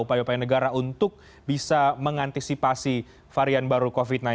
upaya upaya negara untuk bisa mengantisipasi varian baru covid sembilan belas